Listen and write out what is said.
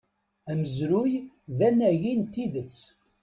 Amezruy d anagi n tidet.